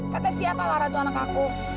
kata siapa lara itu anak aku